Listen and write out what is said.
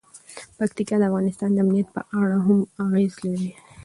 پکتیکا د افغانستان د امنیت په اړه هم اغېز لري.